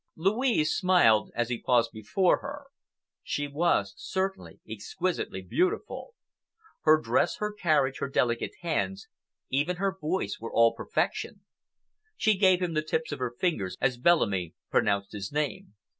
Louise smiled as he paused before her. She was certainly exquisitely beautiful. Her dress, her carriage, her delicate hands, even her voice, were all perfection. She gave him the tips of her fingers as Bellamy pronounced his name.